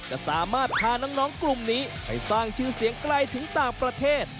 จะสามารถพาน้องกลุ่มนี้ไปสร้างชื่อเสียงไกลถึงต่างประเทศ